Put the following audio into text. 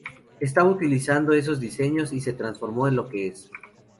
Estaba utilizando esos diseños y se transformó en lo que es.